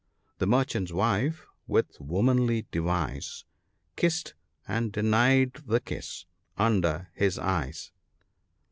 The merchant's wife, with womanly device, Kissed — and denied the kiss — under his eyes."